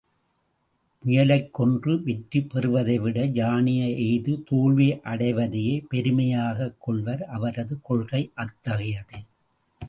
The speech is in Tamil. முயலைக் கொன்று வெற்றிபெறுவதைவிட, யானையை எய்து தோல்வியடைவதையே பெருமையாகக் கொள்வர் அவரது கொள்கை அத்தகையது.